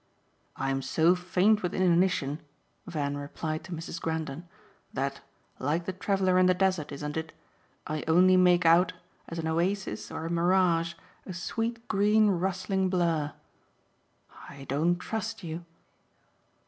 "I'm so faint with inanition," Van replied to Mrs. Grendon, "that like the traveller in the desert, isn't it? I only make out, as an oasis or a mirage, a sweet green rustling blur. I don't trust you."